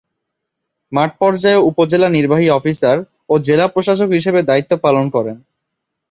মাঠ পর্যায়েও উপজেলা নির্বাহী অফিসার ও জেলা প্রশাসক হিসেবে দায়িত্ব পালন করেন।